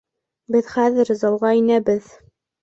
Беҙ хәҙер залға инәбеҙ!